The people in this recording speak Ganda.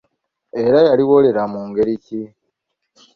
Era yaliwolera mu ngeri ki?